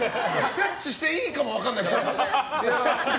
タッチしていいかも分かんないから。